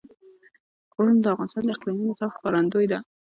غرونه د افغانستان د اقلیمي نظام ښکارندوی ده.